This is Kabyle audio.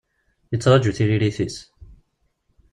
Yettraju tiririt-is.